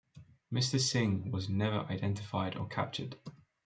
"Mr Singh" was never identified or captured.